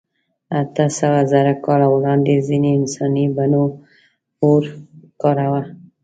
اتهسوهزره کاله وړاندې ځینو انساني بڼو اور کاراوه.